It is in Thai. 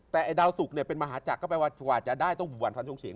แต่ไอ้ดาวสุกเป็นมหาจักรก็แปลว่าจะได้ต้องบุกบันฟันชงเฉง